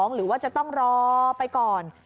หรือว่าจะต้องรอไปก่อน